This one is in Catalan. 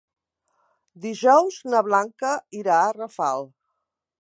Dijous na Blanca irà a Rafal.